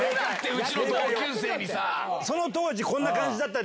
うちの同級生にさ。